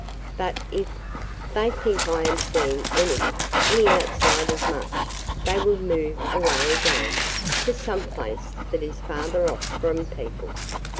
But if – they think I am seeing any – any outsiders much, they will move away again – to some place that is farther off from – people."